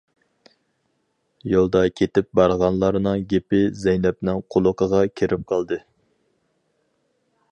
يولدا كېتىپ بارغانلارنىڭ گېپى زەينەپنىڭ قۇلىقىغا كىرىپ قالدى.